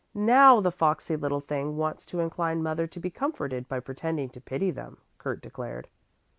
"Now the foxy little thing wants to incline mother to be comforted by pretending to pity them," Kurt declared.